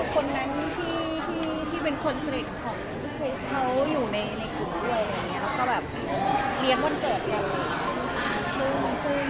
คนนั้นที่เป็นคนสฤทธิ์ของพี่คริสเขาอยู่ในครูแล้วก็แบบเลี้ยงวันเกิดแล้ว